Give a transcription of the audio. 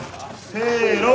せの！